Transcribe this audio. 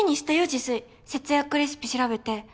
自炊節約レシピ調べて。